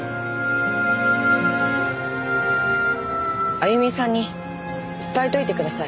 あゆみさんに伝えておいてください。